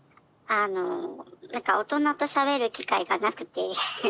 あの何か大人としゃべる機会がなくて。